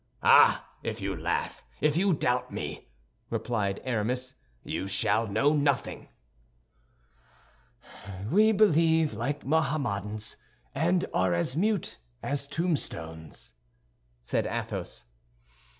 "Ah, if you laugh, if you doubt me," replied Aramis, "you shall know nothing." "We believe like Mohammedans, and are as mute as tombstones," said Athos.